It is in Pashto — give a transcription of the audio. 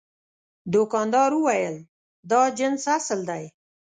دوکاندار وویل دا جنس اصل دی.